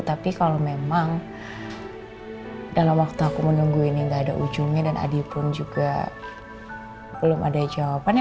tapi kalau memang dalam waktu aku menunggu ini gak ada ujungnya dan adi pun juga belum ada jawabannya